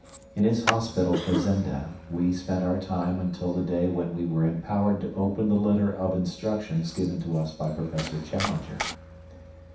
In his hospitable Fazenda we spent our time until the day when we were empowered to open the letter of instructions given to us by Professor Challenger.